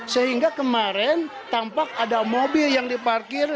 sehingga kemarin tampak ada mobil yang diparkir